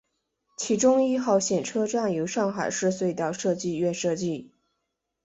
其中一号线车站由上海市隧道设计院设计。